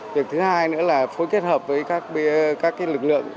việc thứ hai nữa là phối kết hợp với các lực lượng